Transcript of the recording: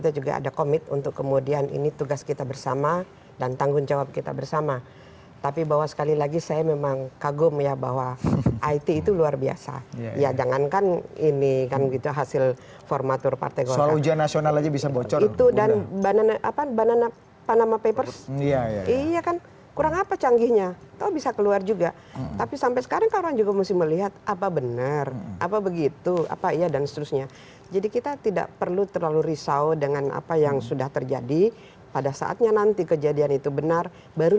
jadi bagian dari kelompok kelompok itu